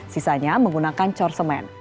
sisanya menggunakan corsemen